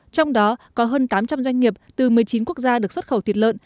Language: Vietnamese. trong đó có hơn tám trăm linh doanh nghiệp từ một mươi chín quốc gia được xuất khẩu thịt lợn